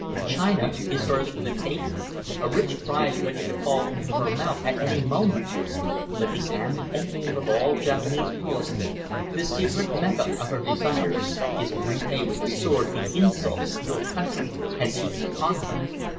China is hers for the taking, a rich prize ready to fall into her mouth at any moment. But the end and aim of all Japanese policy, the secret Mecca of her desires, is to repay with the sword the insults your country has heaped upon her.